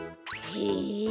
へえ。